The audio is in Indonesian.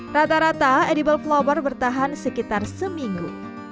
rata rata edible flower bertahan sekitar seminggu